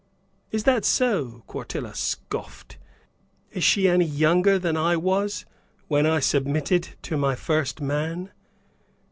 "Is that so," Quartilla scoffed, "is she any younger than I was, when I submitted to my first man?